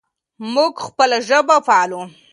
موږ خپله ژبه پالو.